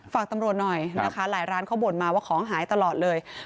ฝากตำรวจหน่อยนะคะหลายร้านเขาบ่นมาว่าของหายตลอดเลย